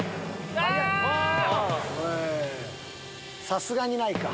さすがにないか。